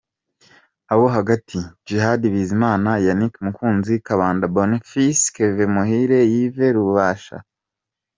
Abo Hagati : Djihad Bizimana, Yannick Mukunzi, Kabanda Bonfils, Kevin Muhire, Yves Rubasha,.